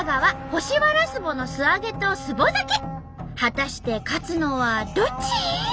果たして勝つのはどっち！？